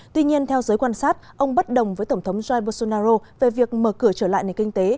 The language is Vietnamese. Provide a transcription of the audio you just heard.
tuy nhiên theo giới quan sát ông bất đồng với tổng thống bolsonaro về việc mở cửa trở lại nền kinh tế